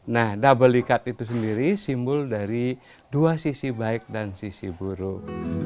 nah double ikat itu sendiri simbol dari dua sisi baik dan sisi buruk